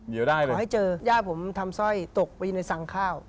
เดี๋ยวได้เลยขอให้เจอย่าผมทำสร้อยตกไปในสั่งข้าว